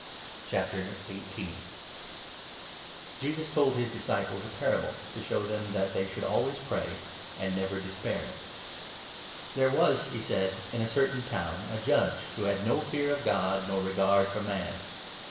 '" Parable Jesus told his disciples a parable to show them i \ of the that they should always pray and never despair, corrupt judge. "There was," he said, "in a certain town a 2 judge, who had no fear of God nor regard for man.